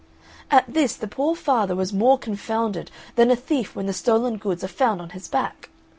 At this the poor father was more confounded than a thief when the stolen goods are found on his back.